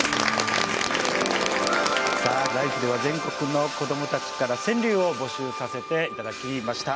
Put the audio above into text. さあ「ＬＩＦＥ！」では全国の子どもたちから川柳を募集させていただきました。